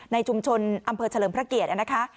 ในชุมชนอำเภอเฉลิมพระเกียรตินะคะ